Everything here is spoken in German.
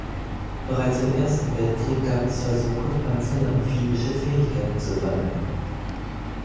Bereits im Ersten Weltkrieg gab es Versuche, Panzern amphibische Fähigkeiten zu verleihen.